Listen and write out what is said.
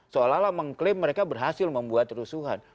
seolah olah mengklaim mereka berhasil membuat rusuhan